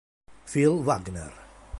Phil Wagner